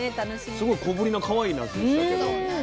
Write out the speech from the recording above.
すごい小ぶりなかわいいなすでしたけども。